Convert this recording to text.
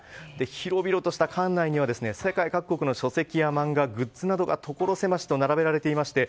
広々とした館内には世界各国の書籍や漫画グッズが所狭しと並べられていまして